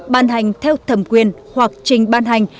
ban hành theo thẩm quyền hoặc trình ban hành